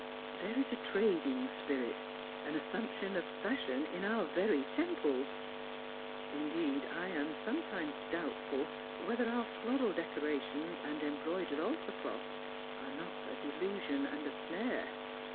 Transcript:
There is r\ trading spirit, an assumption of fiishion, in om very temples. Indeed, I am sometimes doubtful whetlif our floral decorations and embroidered altar cloths are not a dekisicn and a snare.